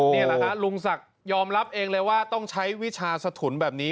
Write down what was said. นี่แหละฮะลุงศักดิ์ยอมรับเองเลยว่าต้องใช้วิชาสถุนแบบนี้